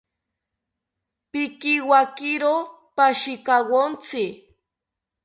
Pikiwakiro pashikawontzi